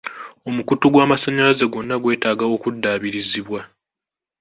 Omukutu gw'amasannyalaze gwonna gwetaaga okudaabirizibwa.